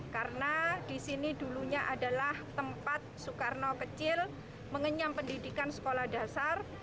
karena di sini dulunya adalah tempat soekarno kecil mengenyam pendidikan sekolah dasar